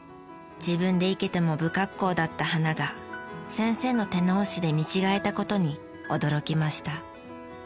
自分で生けても不格好だった花が先生の手直しで見違えた事に驚きました。